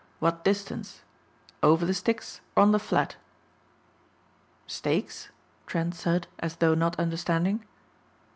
"What distance? Over the sticks or on the flat?" "Stakes?" Trent said as though not understanding.